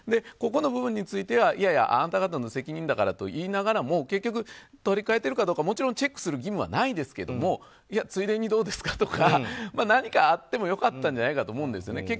ここの部分についてはあなた方の責任だからと言いながらも取り換えてるかどうかもちろんチェックする義務はないですけどもついでにどうですかとか何かあってもよかったんじゃないかとは思うんですよね。